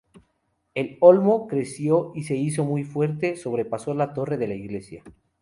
El olmo creció y se hizo muy fuerte, sobrepasó la torre de la iglesia.